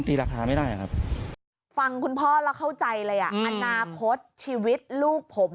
อนาคตชีวิตลูกผม